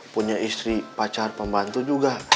punya istri pacar pembantu juga